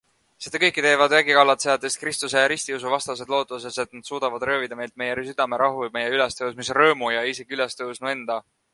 Seda kõike teevad vägivallatsejatest Kristuse ja ristiusu vastased lootuses, et nad suudavad röövida meilt meie südamerahu, meie ülestõusmisrõõmu ja isegi Ülestõusnu enda.